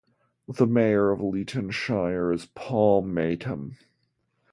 The mayor of Leeton Shire is Paul Maytom.